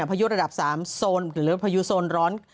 พายุระดับ๓โซนหรือพายุโซนร้อน